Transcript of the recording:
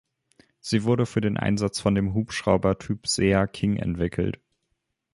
Sie wurde für den Einsatz, von dem Hubschrauber Typ Sea King entwickelt.